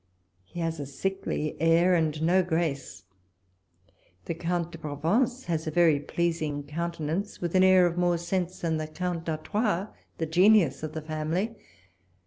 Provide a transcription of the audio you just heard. He has a sickly air, and no grace. The Count de Provence has a very pleasing countenance, with an air of more sense than the Count d'Artois, the genius of the family.